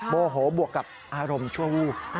โมโหบวกกับอารมณ์ชั่ววูบ